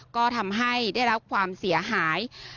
ก็ทำให้ได้รับความเสียหาย